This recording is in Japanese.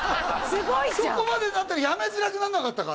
そこまでなったら辞めづらくなんなかったか？